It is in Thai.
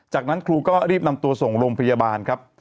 จากนั้นครูก็รีบนำตัวส่งโรงพยาบาลครับ